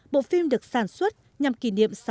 bộ phim được sản xuất nhằm kỷ niệm